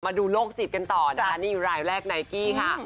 มาดูโรคจิตกันต่อนะคะนี่รายแรกไนกี้ค่ะ